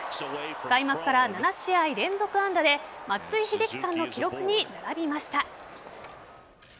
開幕から７試合連続安打で松井秀喜さんの記録に並びました。